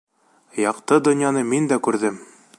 Яҡты донъяны мин дә күрҙем.